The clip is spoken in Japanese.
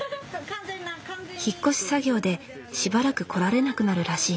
引っ越し作業でしばらく来られなくなるらしい。